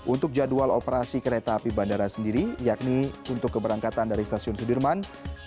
untuk jadwal operasi kereta api bandara sendiri yakni untuk keberangkatan dari stasiun sudirman